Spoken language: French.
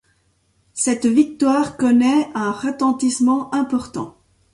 Cette victoire connaît un retentissement important.